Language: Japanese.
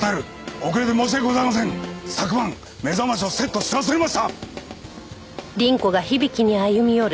昨晩目覚ましをセットし忘れました！